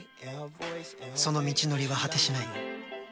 その道のりは果てしない。